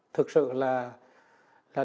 thực sự là